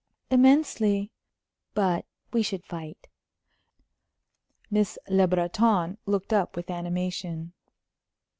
"Immensely. But we should fight!" Miss Le Breton looked up with animation.